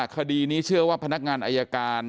คดีนี้เชื่อว่าพนักงานอายการ